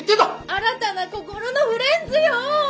新たな心のフレンズよ。